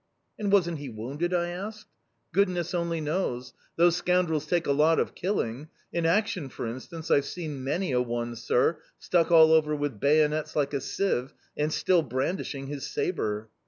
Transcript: "And wasn't he wounded?" I asked. "Goodness only knows! Those scoundrels take a lot of killing! In action, for instance, I've seen many a one, sir, stuck all over with bayonets like a sieve, and still brandishing his sabre."